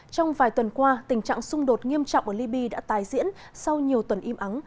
trong vài tuần qua tình trạng xung đột nghiêm trọng ở libya đã tái diễn sau nhiều tuần im ắng